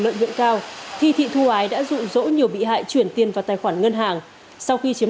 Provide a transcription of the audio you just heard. lợi nhuận cao thì thị thu ái đã dụ dỗ nhiều bị hại chuyển tiền vào tài khoản ngân hàng sau khi chiếm